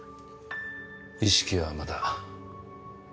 意識はまだ。